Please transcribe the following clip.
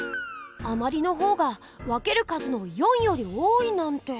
あまりの方が分ける数の４より多いなんて！